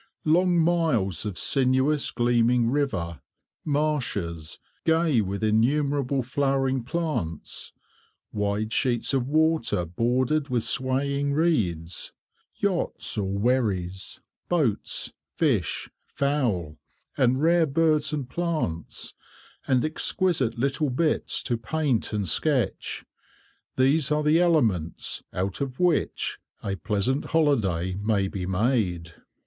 Long miles of sinuous gleaming river, marshes gay with innumerable flowering plants, wide sheets of water bordered with swaying reeds, yachts or wherries, boats, fish, fowl, and rare birds and plants, and exquisite little bits to paint and sketch—these are the elements out of which a pleasant holiday may be made.